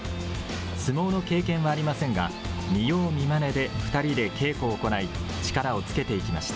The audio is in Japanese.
相撲の経験はありませんが、見よう見まねで２人で稽古を行い、力をつけていきました。